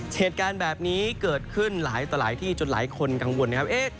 เหตุการณ์แบบนี้เกิดขึ้นหลายต่อหลายที่จนหลายคนกังวลนะครับ